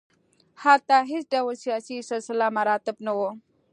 هلته هېڅ ډول سیاسي سلسله مراتب نه وو.